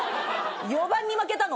４番に負けたの。